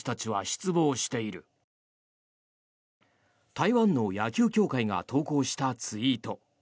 台湾の野球協会が投稿したツイート。